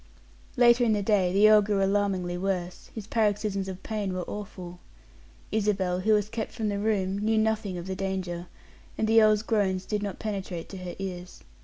Later in the day the earl grew alarmingly worse; his paroxysms of pain were awful. Isabel, who was kept from the room, knew nothing of the danger, and the earl's groans did not penetrate to her ears.